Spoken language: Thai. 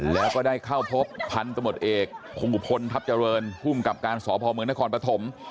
แล้วก็ได้เข้าพบพันธมตเอกคงอุพลทัพเจริญภูมิกับการสพเมืองนครปฐม